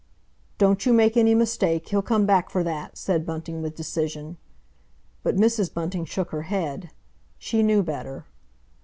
"Don't you make any mistake—he'll come back for that," said Bunting, with decision. But Mrs. Bunting shook her head. She knew better.